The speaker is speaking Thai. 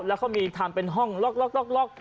แล้วเขามีทำเป็นห้องล็อก